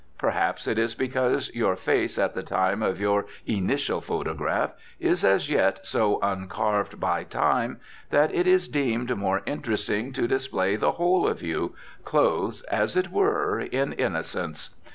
Perhaps it is because your face at the time of your initial photograph is as yet so uncarved by time that it is deemed more interesting to display the whole of you, clothed, as it were, in innocence.